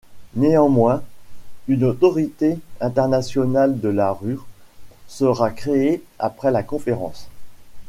Néanmoins, une Autorité internationale de la Ruhr sera créée après la conférence.